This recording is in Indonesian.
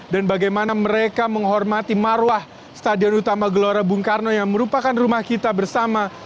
dan bagaimana mereka menghormati maruah stadion utama gelora bung karno yang merupakan rumah kita bersama